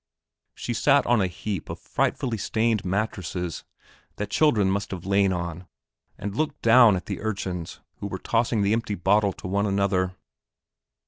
She sat on a heap of frightfully stained mattresses, that children must have lain on, and looked down at the urchins who were tossing the empty bottle to one another....